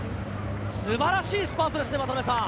素晴らしいスパートですね。